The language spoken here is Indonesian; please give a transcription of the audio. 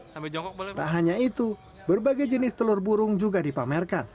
tak hanya itu berbagai jenis telur burung juga dipamerkan